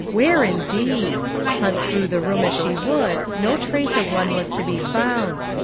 Where indeed! Hunt through the room as she would, no / trace of one was to be found.